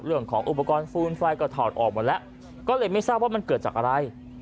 เรื่องของอุปกรณ์ฟูนไฟก็ถอดออกมาแล้วก็เลยไม่ทราบว่ามันเกิดจากอะไร